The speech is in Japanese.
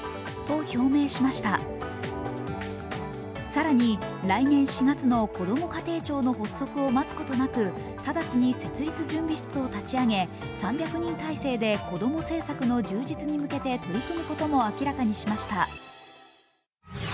更に、来年４月のこども家庭庁の発足を待つことなく直ちに設立準備室を立ち上げ、３００人体制でこども政策の充実に向けて取り組むことも明らかにしました。